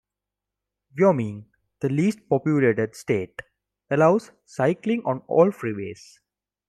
Wyoming, the least populated state, allows cycling on all freeways.